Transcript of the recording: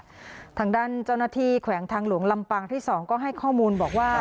ทางด้านเจ้าหน้าที่แขวงทางหลวงลำปางที่๒ก็ให้ข้อมูลบอกว่า